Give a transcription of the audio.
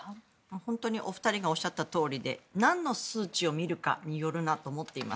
本当にお二人がおっしゃったとおりでなんの数値を見るかによるなと思っています。